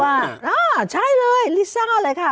อ่าใช่เลยลิซ่าเลยค่ะ